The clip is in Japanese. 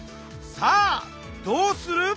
さあどうする？